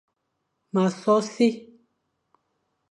M a so si.